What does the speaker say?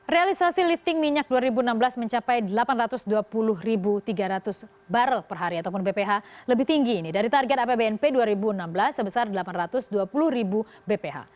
realisasi lifting minyak dua ribu enam belas mencapai delapan ratus dua puluh tiga ratus barrel per hari ataupun bph lebih tinggi ini dari target apbnp dua ribu enam belas sebesar delapan ratus dua puluh bph